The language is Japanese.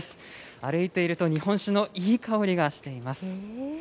歩いていると、日本酒のいい香りがしています。